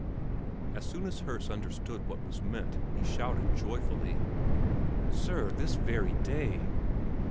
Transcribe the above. As soon as Herse understood what was meant he shouted joyfully "Sir, this very day!"